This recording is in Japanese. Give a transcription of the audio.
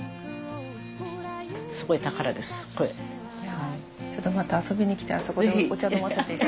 ちょっとまた遊びに来てあそこでお茶飲ませていただいていいですか。